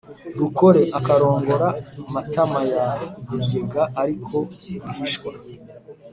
rukore, akarongora matama ya bigega ariko rwihishwa!